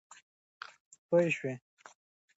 د جنګ لګښتونه ډېر دي.